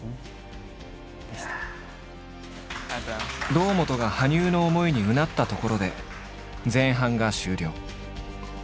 堂本が羽生の思いにうなったところで前半が終了。